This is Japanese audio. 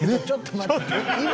ちょっと待って。